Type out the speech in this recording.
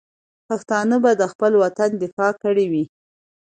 پښتانه به د خپل وطن دفاع کړې وي.